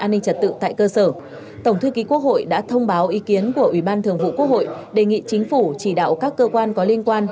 quốc hội đã thông báo ý kiến của ủy ban thường vụ quốc hội đề nghị chính phủ chỉ đạo các cơ quan có liên quan